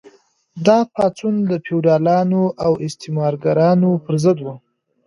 دا پاڅون د فیوډالانو او استثمارګرانو پر ضد و.